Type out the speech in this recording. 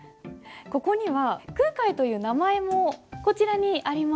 ここには空海という名前もこちらにあります。